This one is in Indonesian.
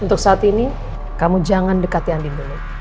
untuk saat ini kamu jangan dekati andi dulu